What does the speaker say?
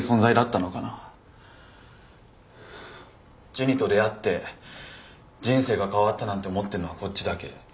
ジュニと出会って人生が変わったなんて思ってんのはこっちだけ。